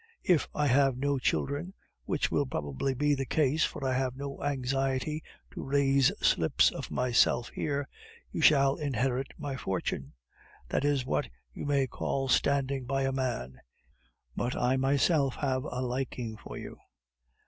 If I have no children which will probably be the case, for I have no anxiety to raise slips of myself here you shall inherit my fortune. That is what you may call standing by a man; but I myself have a liking for you.